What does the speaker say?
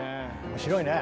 面白いね。